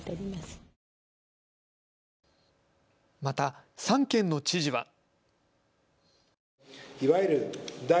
また、３県の知事は。